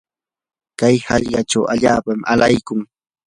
kay hallqachaw allaapam alaykun.